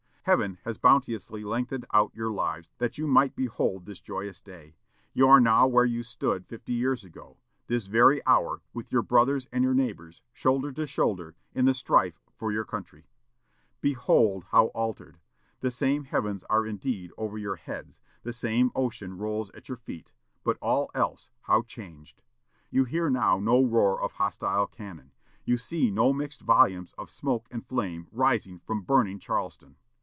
Heaven has bounteously lengthened out your lives that you might behold this joyous day. You are now where you stood fifty years ago, this very hour, with your brothers and your neighbors, shoulder to shoulder, in the strife for your country. Behold, how altered! The same heavens are indeed over your heads; the same ocean rolls at your feet; but all else, how changed! You hear now no roar of hostile cannon, you see no mixed volumes of smoke and flame rising from burning Charlestown.